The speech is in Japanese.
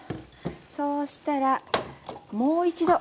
そうしたらもう一度。